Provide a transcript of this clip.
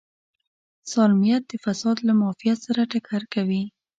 سالمیت د فساد له معافیت سره ټکر کوي.